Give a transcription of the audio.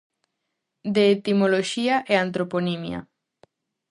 De etimoloxía e antroponimia.